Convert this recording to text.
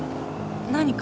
何か？